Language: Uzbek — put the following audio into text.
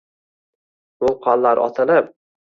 Vulqonlar otilib